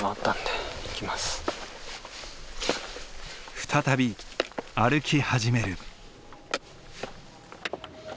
再び歩き始める。